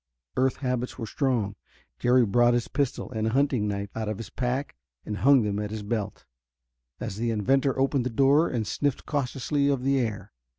Earth habits were strong: Jerry brought his pistol and a hunting knife out of his pack and hung them at his belt, as the inventor opened the door and sniffed cautiously of the air.